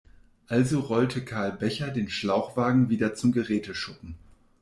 Also rollte Karl Becher den Schlauchwagen wieder zum Geräteschuppen.